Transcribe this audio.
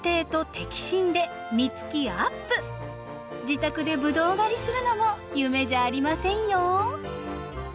自宅でブドウ狩りするのも夢じゃありませんよ。